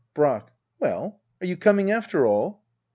] Brack. Well^ are you coming after all